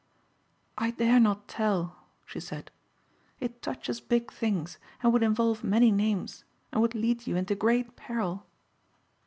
"I dare not tell," she said. "It touches big things and would involve many names and would lead you into great peril."